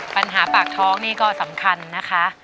ปัญหาปากท้องนี่ก็สำคัญนะคะ